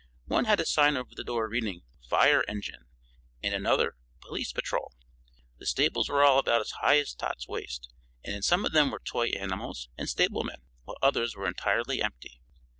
One had a sign over the door reading "Fire Engine," and another "Police Patrol." The stables were all about as high as Dot's waist, and in some of them were toy animals and stablemen, while others were entirely empty.